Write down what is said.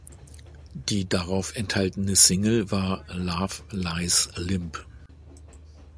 Die darauf enthaltene Single war "Love Lies Limp".